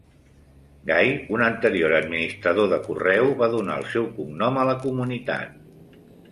Gay, un anterior administrador de correu, va donar el seu cognom a la comunitat.